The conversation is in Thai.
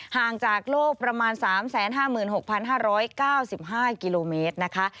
ห่างจากโลกประมาณ๓๕๖๕๙๕กิโลเมตรนะคะ